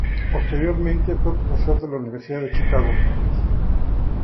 Posteriormente, fue profesor de la Universidad de Chicago.